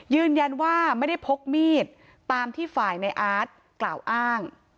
ยืนยันว่าไม่ได้พกมีดตามที่ฝ่ายในอาร์ตกล่าวอ้าง